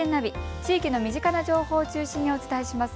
地域の身近な情報を中心にお伝えします。